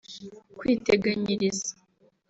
kwiteganyiriza